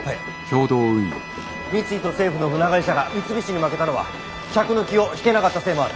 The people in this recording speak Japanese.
三井と政府の船会社が三菱に負けたのは客の気を引けなかったせいもある。